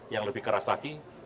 yang lebih keras lagi